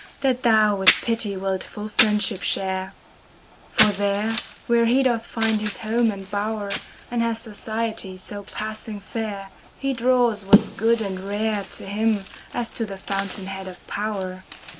That thou with pity wilt full friendship share; For there, where he doth find his home and bower * And has society so passing fair, He draws what's good and rare To him, as to the fountain head of power.